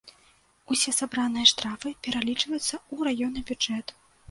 Усе сабраныя штрафы пералічваюцца ў раённы бюджэт.